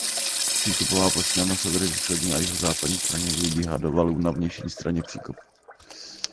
Přístupová plošina na severovýchodní a jihozápadní straně vybíhá do valů na vnější straně příkopu.